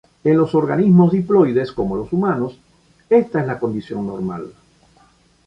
En los organismos diploides como los humanos, esta es la condición normal.